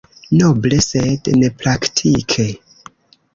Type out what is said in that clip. Noble, sed nepraktike.